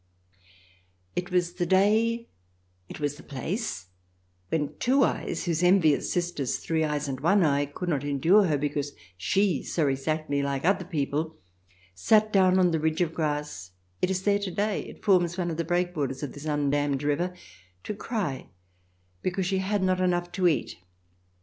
It was the day, it was the place, when Two Eyes — whose envious sisters Three Eyes and One Eye could not endure her because she saw exactly like other people — sat down on the ridge of grass (it is there to day, it forms one of the breakwaters of this undammed river) to cry because she had not enough to eat.